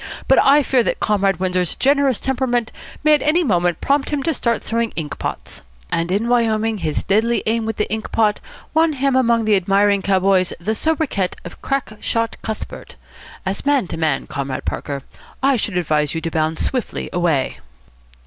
But I fear that Comrade Windsor's generous temperament may at any moment prompt him to start throwing ink pots. And in Wyoming his deadly aim with the ink pot won him among the admiring cowboys the sobriquet of Crack Shot Cuthbert. As man to man, Comrade Parker, I should advise you to bound swiftly away."